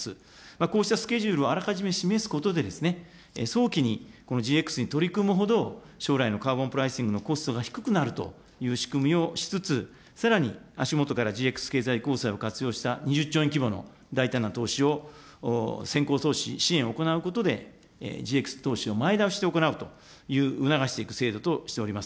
こうしたスケジュールをあらかじめ示すことで、早期にこのＧＸに取り組むほど、将来のカーボンプライシングのコストが低くなるという仕組みをしつつ、さらに足下からＧＸ公債を活用した２０兆円規模の大胆な投資を先行投資、支援を行うことでＧＸ投資を前倒しして行うという、促していく制度としています。